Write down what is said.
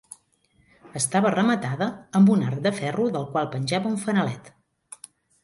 Estava rematada amb un arc de ferro del qual penjava un fanalet.